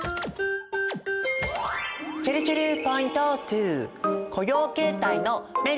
ちぇるちぇるポイント２！